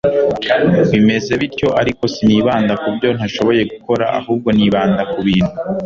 bimeze bityo ariko sinibanda ku byo ntashoboye gukora Ahubwo nibanda ku bintu